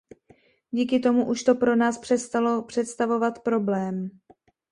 Díky tomu už to pro nás přestalo představovat problém.